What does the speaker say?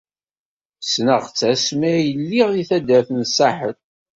Ssneɣ-tt asmi ay lliɣ deg taddart n Saḥel.